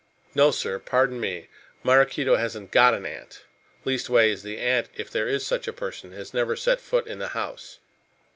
"No, sir, pardon me. Maraquito hasn't got an aunt. Leastways the aunt, if there is such a person, has never set foot in the house."